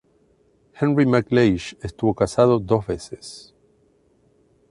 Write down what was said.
Henry McLeish estuvo casado dos veces.